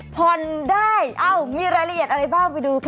ผ่นได้นี่รายละเอียดอะไรบ้างไปดูค่ะ